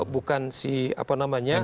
bukan si apa namanya